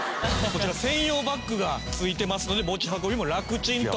こちら専用バッグが付いてますので持ち運びもラクチンと。